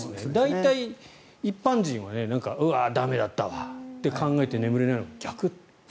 大体、一般人はうわー、駄目だったわって考えて眠れないのに逆だと。